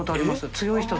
強い人だ。